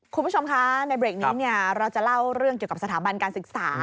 คุณผู้ชมคะในเบรกนี้เราจะเล่าเรื่องเกี่ยวกับสถาบันการศึกษา